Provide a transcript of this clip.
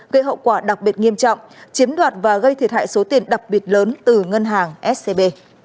gây hậu quả đặc biệt nghiêm trọng chiếm đoạt và gây thiệt hại số tiền đặc biệt lớn từ ngân hàng scb